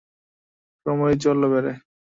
ক্রমেই চলল বেড়ে।